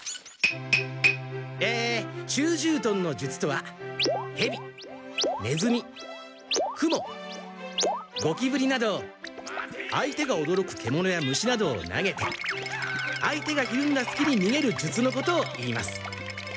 え虫獣の術とはヘビネズミクモゴキブリなど相手がおどろくけものや虫などを投げて相手がひるんだすきににげる術のことをいいます。